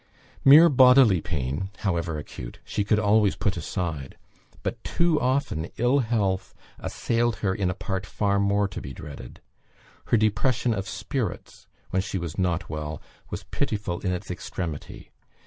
Mere bodily pain, however acute, she could always put aside; but too often ill health assailed her in a part far more to be dreaded. Her depression of spirits, when she was not well, was pitiful in its extremity.